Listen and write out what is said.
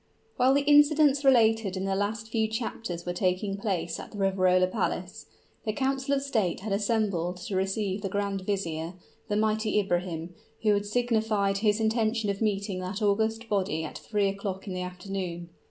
While the incidents related in the last few chapters were taking place at the Riverola Palace, the council of state had assembled to receive the grand vizier, the mighty Ibrahim, who had signified his intention of meeting that august body at three o'clock in the afternoon.